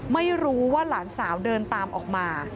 ไม่รู้ว่าหลานสาวเดินตามออกมา